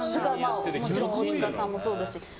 もちろん大塚さんもそうだし。